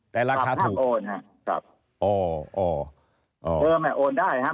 แต่ราคาถูกครับห้ามโอนครับครับ